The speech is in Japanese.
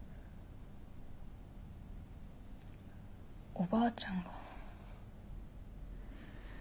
おばあちゃんが。